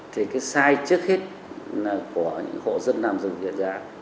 thì cái sai trước hết là của những hộ dân nằm dừng dạng